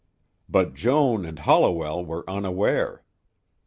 But Joan and Holliwell were unaware.